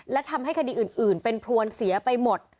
และทำให้คดีอื่นเป็นพรวนเสียไปหมด